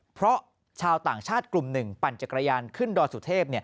เพราะชาวต่างชาติกลุ่มหนึ่งปั่นจักรยานขึ้นดอยสุเทพ